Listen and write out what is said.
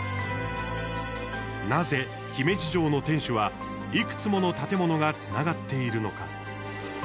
なぜ姫路城の天守はいくつもの建物がつながっているのか。